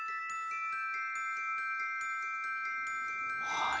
はい。